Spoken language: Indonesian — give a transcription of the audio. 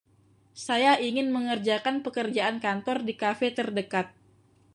saya ingin mengerjakan pekerjaan kantor di kafe terdekat